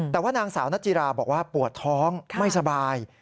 แต่ว่านางสาวนัจจิราบอกว่าปวดท้องไม่สบาย